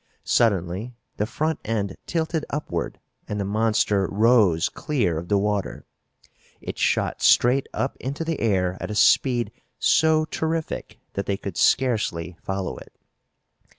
Suddenly the front end tilted upward and the monster rose clear of the water. It shot straight up into the air at a speed so terrific that they could scarcely follow it.